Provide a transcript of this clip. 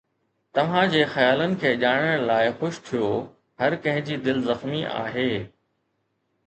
توهان جي خيالن کي ڄاڻڻ لاء خوش ٿيو. هر ڪنهن جي دل زخمي آهي